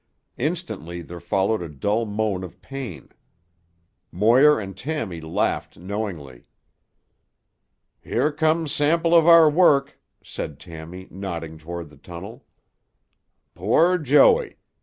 Instantly there followed a dull moan of pain: Moir and Tommy laughed knowingly. "Here comes sample of our work," said Tammy, nodding toward the tunnel. "Poor Joey!